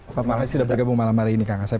terima kasih sudah bergabung malam hari ini kang asep